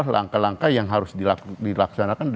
langkah langkah yang harus dilaksanakan